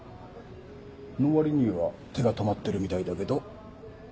の割には手が止まってるみたいだけど？